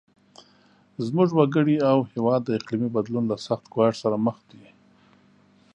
زموږ وګړي او هیواد د اقلیمي بدلون له سخت ګواښ سره مخ دي.